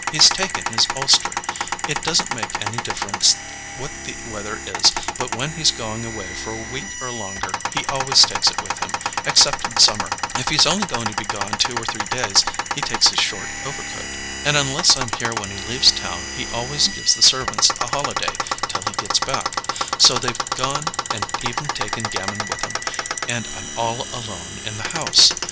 He's taken his ulster. It doesn't make any difference what the weather is, but when he's going away for a week or longer, he always takes it with him, except in summer. If he's only going to be gone two or three days he takes his short overcoat. And unless I'm here when he leaves town he always gives the servants a holiday till he gets back; so they've gone and even taken Gamin with 'em, and I'm all alone in the house.